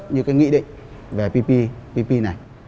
như cái nghị định về ppp này